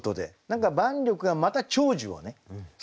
何か万緑がまた長寿をね